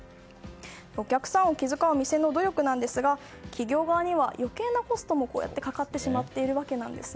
お客さんを気遣う店の努力ですが企業側には余計なコストもかかってしまっているわけなんですね。